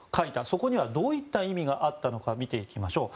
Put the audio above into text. そこにはどういった意味があったのか見ていきましょう。